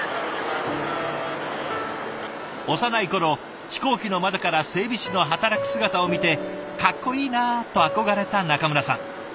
幼い頃飛行機の窓から整備士の働く姿を見て「かっこいいな」と憧れた中村さん。